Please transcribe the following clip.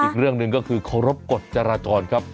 อีกเรื่องหนึ่งก็คือเคารพกฎจราจรครับ